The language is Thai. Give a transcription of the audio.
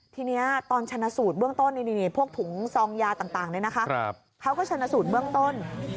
ทีนี้ตอนชนะสูตรเบื้องต้นพวกถุงซองยาต่างเขาก็ชนะสูตรเบื้องต้น